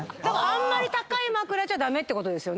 あんまり高い枕じゃ駄目ってことですよね。